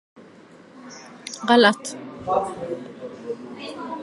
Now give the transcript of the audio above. غلط